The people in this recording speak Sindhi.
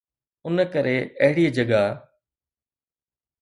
ان ڪري اهڙي جڳهه